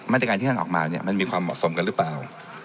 มาตรการที่ท่านออกมาเนี่ยมันมีความเหมาะสมกันหรือเปล่า